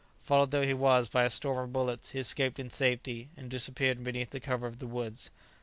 Followed though he was by a storm of bullets, he escaped in safety, and disappeared beneath the cover of the woods.